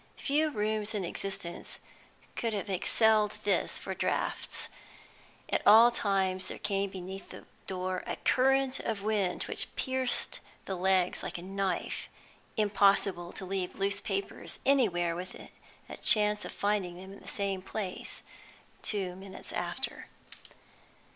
Few rooms in existence could have excelled this for draughts; at all times there came beneath the door a current of wind which pierced the legs like a knife; impossible to leave loose papers anywhere with a chance of finding them in the same place two minutes after.